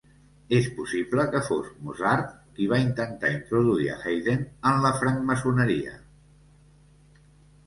És possible que fos Mozart qui va intentar introduir a Haydn en la francmaçoneria.